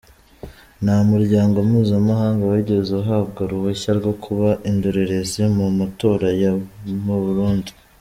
Nta muryango mpuzamahanga wigeze uhabwa uruhushya rwo kuba indorerezi mu matora yo mu Burundi.